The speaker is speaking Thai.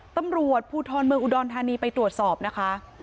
ตำรวจภูทรเมืองอุดรธานีไปตรวจสอบนะคะ